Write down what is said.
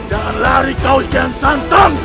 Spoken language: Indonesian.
jangan lari kau iken santong